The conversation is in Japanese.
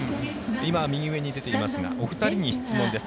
今、右上に出ていますがお二人に質問です。